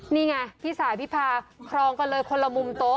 นี่ไงพี่สายพิพาครองกันเลยคนละมุมโต๊ะ